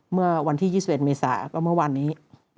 เมื่อวันที่๒๑เมษาก็เมื่อวานนี้